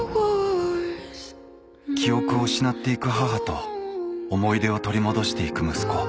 記憶を失っていく母と思い出を取り戻していく息子